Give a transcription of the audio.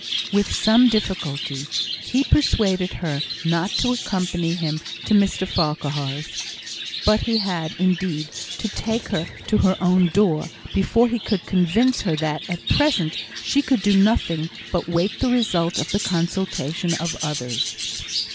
With some difficulty he persuaded her not to accompany him to Mr Farquhar's; but he had, indeed, to take her to her own door before he could convince her that, at present, she could do nothing but wait the result of the consultation of others.